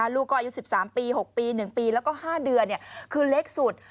ลูกก็อายุ๑๓ปี๖ปี๑ปีแล้วก็๕เดือนคือเล็กสุด